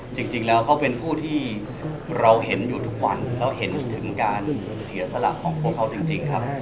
จริงแล้วเขาเป็นผู้ที่เราเห็นอยู่ทุกวันแล้วเห็นถึงการเสียสละของพวกเขาจริงครับ